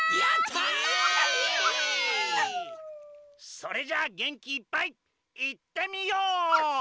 それじゃあげんきいっぱいいってみよう！